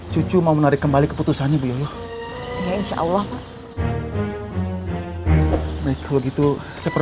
cucu mau menarik kembali keputusannya burung ya insyaallah pak ya bu yoyo ini sudah berakhir dan saya akan kembali ke keputusan bu yoyo saya berharap cucu mau menarik kembali keputusannya bu yoyo